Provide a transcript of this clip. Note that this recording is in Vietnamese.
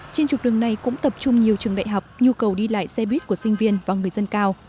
trên trục đường này cũng tập trung nhiều trường đại học nhu cầu đi lại xe buýt của sinh viên và người dân cao